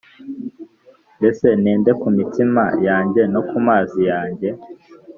Mbese nende ku mitsima yanjye no ku mazi yanjye